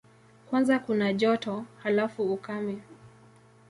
Kwanza kuna joto, halafu ukame.